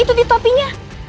itu di topinya